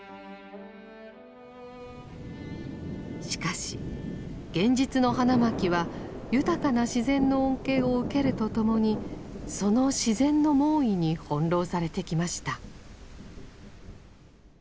しかし現実の花巻は豊かな自然の恩恵を受けるとともにその自然の猛威に翻弄されてきました。